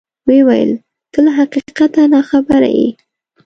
ویې ویل: ته له حقیقته ناخبره یې.